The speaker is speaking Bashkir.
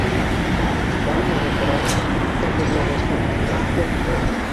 Танымай ҙа торам, күптән күрмәгәс ни, үҫеп киткән.